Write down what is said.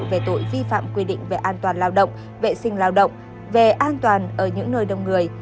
về tội vi phạm quy định về an toàn lao động vệ sinh lao động về an toàn ở những nơi đông người